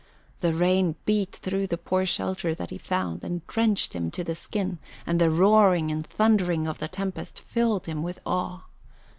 The rain beat through the poor shelter that he found and drenched him to the skin, and the roaring and thundering of the tempest filled him with awe.